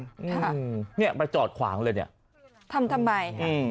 ครับนี่ไปจอดขวางเลยนี่ทำทำไม